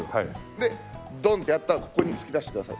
でドンってやったらここに突き出してください。